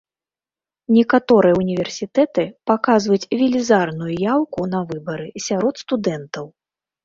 Некаторыя ўніверсітэты паказваюць велізарную яўку на выбары сярод студэнтаў.